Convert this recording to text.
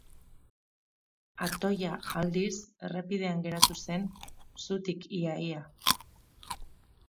Atoia, aldiz, errepidean geratu zen, zutik ia-ia.